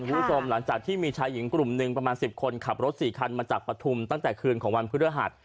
คุณผู้ชมหลังจากที่มีชายหญิงกลุ่มหนึ่งประมาณ๑๐คนขับรถ๔คันมาจากปฐุมตั้งแต่คืนของวันพฤหัส